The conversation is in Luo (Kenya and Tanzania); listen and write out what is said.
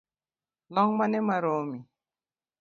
Long’ mane maromi?